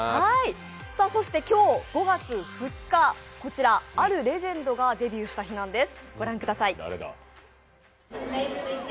そして今日、５月２日、こちらあるレジェンドがデビューした日なんです。